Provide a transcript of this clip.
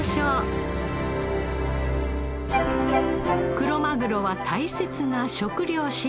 クロマグロは大切な食糧資源。